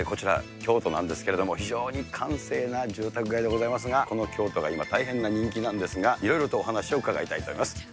京都なんですけれども、非常に閑静な住宅街でございますが、この京都が今、大変な人気なんですが、いろいろとお話を伺いたいと思います。